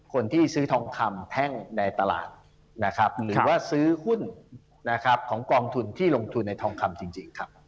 คนที่ซื้อทองคำแท่งในตลาดนะครับหรือว่าซื้อหุ้นนะครับของกองทุนที่ลงทุนในทองคำจริงครับ